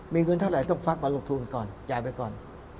มีเงินเท่าไหร่ต้องฟักมาลงทุนก่อนจ่ายไปก่อน